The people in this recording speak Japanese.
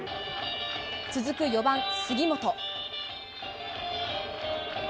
続く４番、杉本。